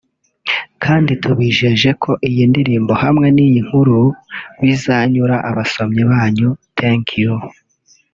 kandi tubijeje ko iyindirimbo hamwe niyinkuru bizanyura abasomyi banyu ) Thank you